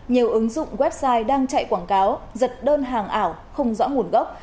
nhiều ứng dụng website đang chạy quảng cáo giật đơn hàng ảo không rõ nguồn gốc